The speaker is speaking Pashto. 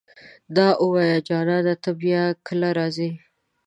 دا اووايه جانانه ته به بيا کله راځې